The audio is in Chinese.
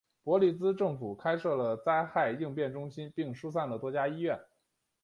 伯利兹政府开设了灾害应变中心并疏散了多家医院。